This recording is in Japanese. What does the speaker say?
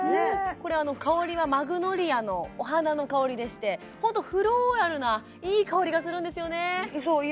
これ香りはマグノリアのお花の香りでしてホントフローラルないい香りがするんですよね